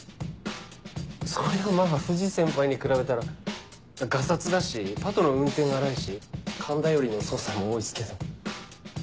そりゃまぁ藤先輩に比べたらガサツだしパトの運転が荒いし勘頼りの捜査も多いっすけど。